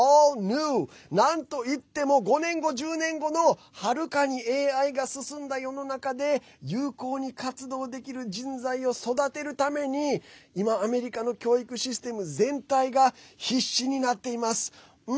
なんといっても５年後、１０年後のはるかにＡＩが進んだ世の中で有効に活動できる人材を育てるために今アメリカの教育システム全体が必死になっています。